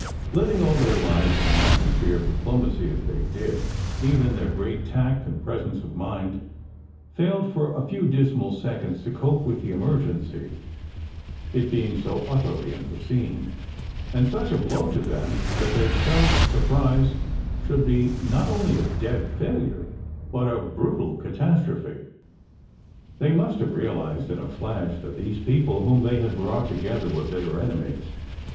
Living all their lives in an atmos phere of diplomacy as they did, even their great tact and presence of mind failed for a few dismal seconds to cope with the emergency, it being so utterly unforeseen, and such a blow to them that their cherished "surprise" should be not only a dead failure but a brutal catastrophe. They must have realized in a flash that these people whom they had brought together were bitter enemies.